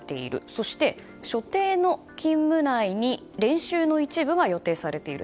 そして、所定の勤務内に練習の一部が予定されている。